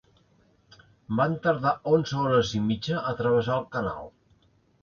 Van tardar onze hores i mitja a travessar el canal.